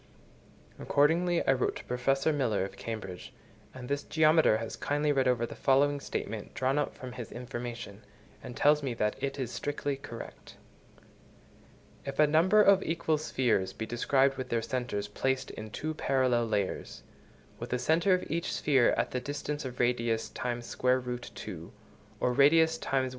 Accordingly I wrote to Professor Miller, of Cambridge, and this geometer has kindly read over the following statement, drawn up from his information, and tells me that it is strictly correct:— If a number of equal spheres be described with their centres placed in two parallel layers; with the centre of each sphere at the distance of radius x sqrt(2) or radius x 1.